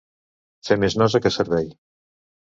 Fer més nosa que servei.